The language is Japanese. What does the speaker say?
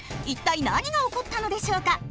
一体何が起こったのでしょうか？